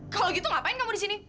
kalau gitu ngapain kamu disini